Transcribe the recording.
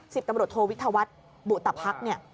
สิบตำรวจโทวิทยาวัฒน์บุตรภักดิ์